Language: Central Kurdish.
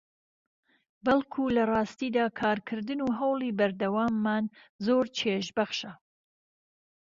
بەڵکو لەڕاستیدا کارکردن و هەوڵی بەردەواممان زۆر چێژبەخشە